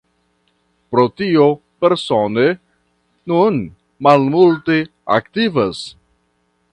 Pro tio Persone nun malmulte aktivas.